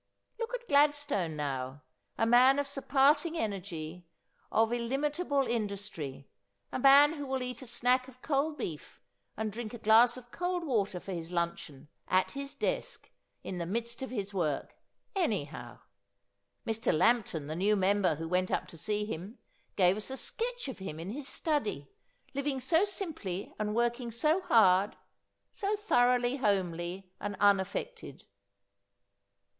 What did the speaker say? Look at Gladstone now, a man of surpassing energy, of illimitable industry, a man who will eat a snack of cold beef and drink a glass of cold water for his luncheon, at his desk, in the midst of his work, anyhow. Mr. Lampton, the new member who went up to see him, gave us a sketch of him in his study, living so simply and working so hard, so thoroughly homely and unaffected.'